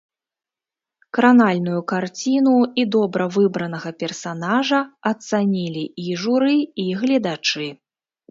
Кранальную карціну і добра выбранага персанажа ацанілі і журы, і гледачы.